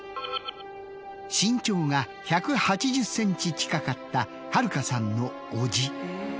身長が１８０ｃｍ近かった春香さんの叔父。